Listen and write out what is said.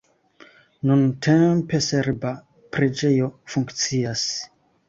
Nuntempe serba preĝejo funkcias.